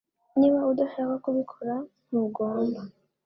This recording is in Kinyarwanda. Niba udashaka kubikora ntugomba